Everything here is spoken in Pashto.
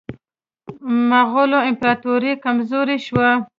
مغولو امپراطوري کمزورې شوه.